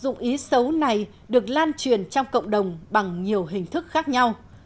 những giả mạo dụng ý xấu này được lan truyền trong cộng đồng bằng nhiều hình thức khác nhau